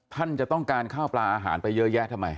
ท่านจะต้องการข้าวปลาอาหารไปเยอะแยะทำไม